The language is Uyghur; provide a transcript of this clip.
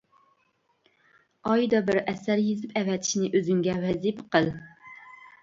ئايدا بىر ئەسەر يېزىپ ئەۋەتىشنى ئۆزۈڭگە ۋەزىپە قىل.